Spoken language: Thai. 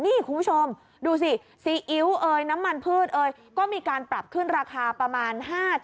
นี่คุณผู้ชมดูสิซีอิ๊วเอยน้ำมันพืชเอยก็มีการปรับขึ้นราคาประมาณ๕๐